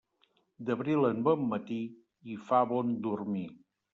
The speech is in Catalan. D'abril en bon matí, hi fa bon dormir.